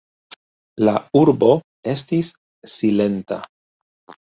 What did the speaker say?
La urbo estis silenta.